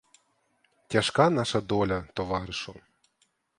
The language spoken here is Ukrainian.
Тяжка наша доля, товаришу.